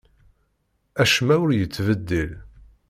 Acemma ur yettbeddil.